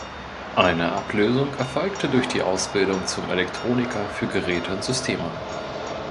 Eine Ablösung erfolgte durch die Ausbildung zum Elektroniker für Geräte und Systeme.